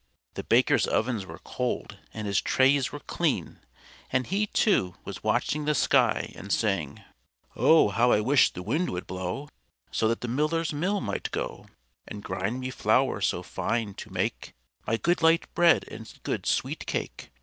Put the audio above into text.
The Baker's ovens were cold, and his trays were clean, and he, too, was watching the sky, and saying: "_Oh! how I wish the wind would blow, So that the Miller's mill might go, And grind me flour so fine, to make My good light bread and good sweet cake!